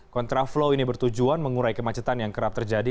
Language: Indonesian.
kontraflow ini bertujuan mengurai kemacetan yang kerap terjadi